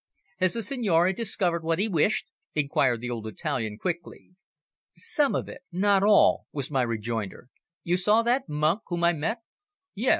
"Has the signore discovered what he wished?" inquired the old Italian, quickly. "Some of it, not all," was my rejoinder. "You saw that monk whom I met?" "Yes.